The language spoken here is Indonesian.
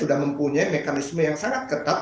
sudah mempunyai mekanisme yang sangat ketat